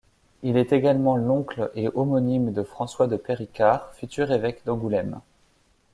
Il est également l'oncle et homonyme de François de Péricard futur évêque d'Angoulême.